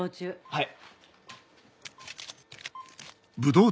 はい！